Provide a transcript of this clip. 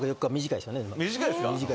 短いですか？